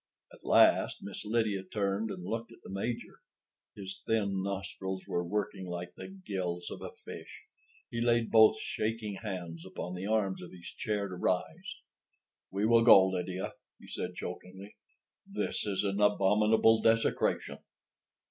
At last Miss Lydia turned and looked at the Major. His thin nostrils were working like the gills of a fish. He laid both shaking hands upon the arms of his chair to rise. "We will go, Lydia," he said chokingly. "This is an abominable—desecration."